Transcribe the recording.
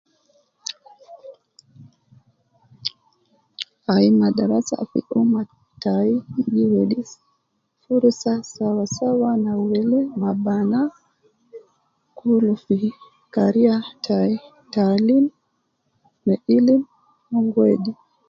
Aii, madarasa fi umma tai gi wedi furusa sawa sawa na wele ma bana kulu fi kariya tai, taalim, me ilim, mon gi wedi